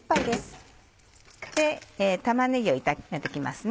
玉ねぎを炒めて行きますね。